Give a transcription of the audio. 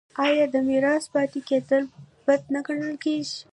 آیا د میرات پاتې کیدل بد نه ګڼل کیږي؟